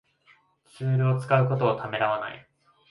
ツールを使うことをためらわない